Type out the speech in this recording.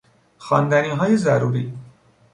خواندنیهای ضروری